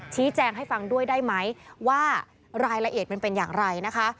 ชี้แจงให้ฟังด้วยได้ไหมว่ารายละเอียดมันเป็นอย่างไรนะคะ